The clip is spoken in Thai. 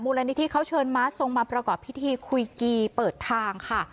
นิธิเขาเชิญม้าทรงมาประกอบพิธีคุยกีเปิดทางค่ะ